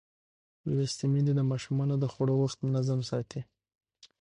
لوستې میندې د ماشومانو د خوړو وخت منظم ساتي.